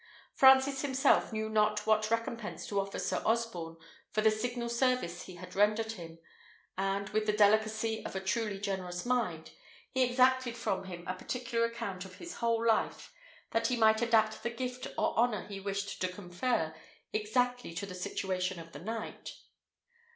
Francis himself knew not what recompense to offer Sir Osborne for the signal service he had rendered him; and, with the delicacy of a truly generous mind, he exacted from him a particular account of his whole life, that he might adapt the gift or honour he wished to confer exactly to the situation of the knight.